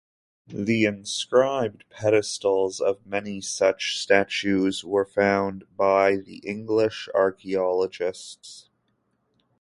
The inscribed pedestals of many such statues were found by the English archaeologists.